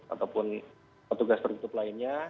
ataupun petugas perhitung lainnya